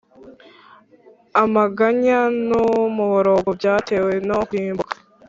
Amaganya n umuborogo byatewe no kurimbuka